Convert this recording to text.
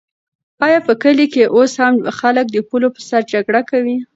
آیا په کلي کې اوس هم خلک د پولو په سر جګړې کوي؟